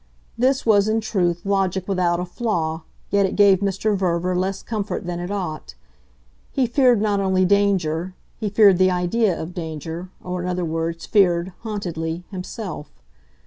This was in truth logic without a flaw, yet it gave Mr. Verver less comfort than it ought. He feared not only danger he feared the idea of danger, or in other words feared, hauntedly, himself.